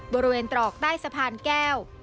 บริเวณตรอกใต้สะพานแก้ว